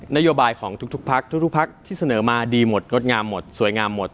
นโยบายของทุกพักทุกพักที่เสนอมาดีหมดงดงามหมดสวยงามหมด